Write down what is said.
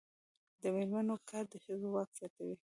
د میرمنو کار د ښځو واک زیاتوي.